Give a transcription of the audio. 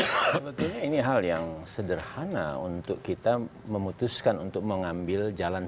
sebetulnya ini hal yang sederhana untuk kita memutuskan untuk mengambil jalan